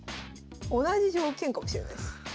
同じ条件かもしれないです。